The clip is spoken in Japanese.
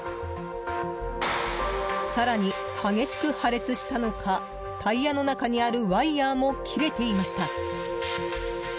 更に、激しく破裂したのかタイヤの中にあるワイヤも切れていました。